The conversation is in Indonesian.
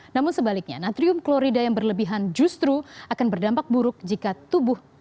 namun sebaliknya natrium klorida yang berlebihan justru akan berdampak buruk jika tubuh